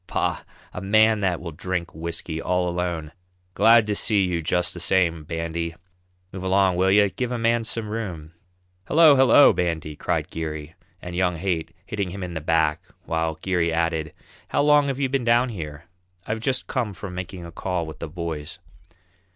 Bah! a man that will drink whisky all alone! Glad to see you just the same, Bandy; move along, will you give a man some room." "Hello, hello, Bandy!" cried Geary and young Haight, hitting him in the back, while Geary added: "How long have you been down here? I've just come from making a call with the boys.